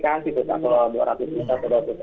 kalau dua ratus juta sudah dikasih